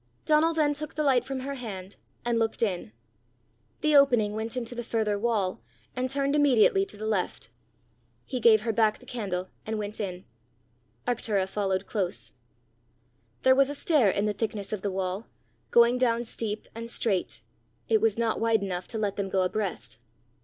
Donal then took the light from her hand, and looked in. The opening went into the further wall and turned immediately to the left. He gave her back the candle, and went in. Arctura followed close. There was a stair in the thickness of the wall, going down steep and straight. It was not wide enough to let them go abreast.